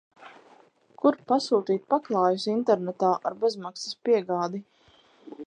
Kur pasūtīt paklājus internetā ar bezmaksas piegādi?